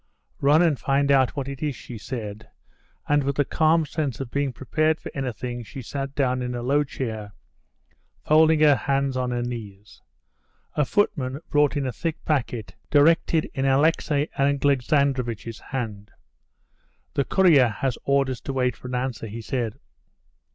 "Run and find out what it is," she said, and with a calm sense of being prepared for anything, she sat down in a low chair, folding her hands on her knees. A footman brought in a thick packet directed in Alexey Alexandrovitch's hand. "The courier has orders to wait for an answer," he said.